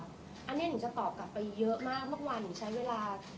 อันนี้หนูจะตอบกลับไปเยอะมากเมื่อวานหนูใช้เวลา